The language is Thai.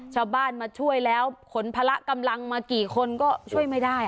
ชาวบ้านมาช่วยแล้วขนพละกำลังมากี่คนก็ช่วยไม่ได้